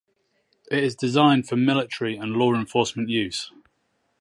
It is designed for military and law enforcement use.